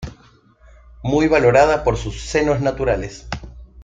Muy valorada por sus senos naturales.